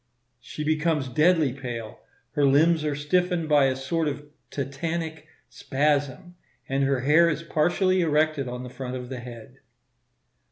She becomes deadly pale; her limbs are stiffened by a sort of tetanic spasm, and her hair is partially erected on the front of the head.